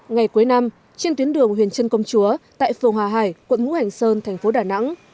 ngày cuối năm trên tuyến đường huyền trân công chúa tại phường hòa hải quận ngũ hành sơn thành phố đà nẵng